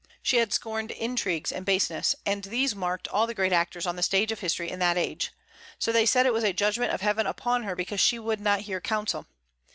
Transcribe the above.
She had scorned intrigues and baseness, and these marked all the great actors on the stage of history in that age. So they said it was a judgment of Heaven upon her because she would not hear counsel.